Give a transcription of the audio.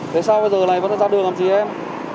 thế sao bây giờ lại vẫn ra đường làm gì em